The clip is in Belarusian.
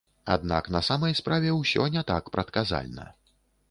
Аднак на самай справе ўсё не так прадказальна.